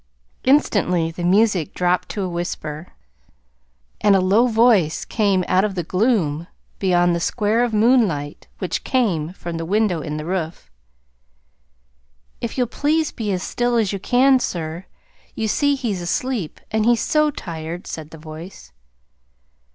Instantly the music dropped to a whisper, and a low voice came out of the gloom beyond the square of moonlight which came from the window in the roof. "If you'll please be as still as you can, sir. You see he's asleep and he's so tired," said the voice.